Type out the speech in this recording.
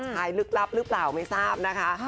ลึกลับหรือเปล่าไม่ทราบนะคะ